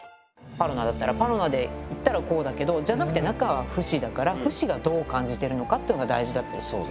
パロナだったらパロナでいったらこうだけどじゃなくて中はフシだからフシがどう感じてるのかってのが大事。